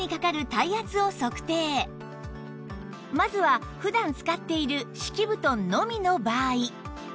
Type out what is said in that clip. まずは普段使っている敷き布団のみの場合